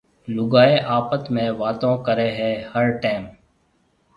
لُگائيَ آپت ۾ واتون ڪريَ هيَ هر ٽيم۔